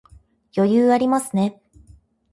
余裕ありますね